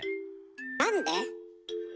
なんで？